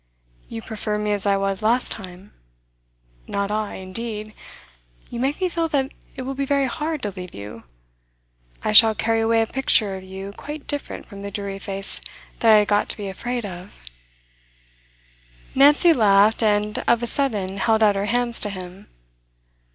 'You prefer me as I was last time?' 'Not I, indeed. You make me feel that it will be very hard to leave you. I shall carry away a picture of you quite different from the dreary face that I had got to be afraid of.' Nancy laughed, and of a sudden held out her hands to him.